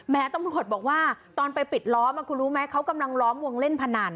ตำรวจบอกว่าตอนไปปิดล้อมคุณรู้ไหมเขากำลังล้อมวงเล่นพนัน